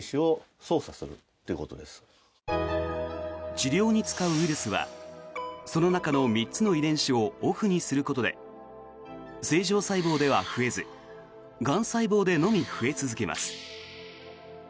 治療に使うウイルスはその中の３つの遺伝子をオフにすることで正常細胞では増えずがん細胞でのみ増え続けます。